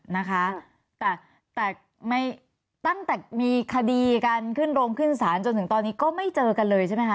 นะคะแต่แต่ไม่ตั้งแต่มีคดีกันขึ้นโรงขึ้นศาลจนถึงตอนนี้ก็ไม่เจอกันเลยใช่ไหมคะ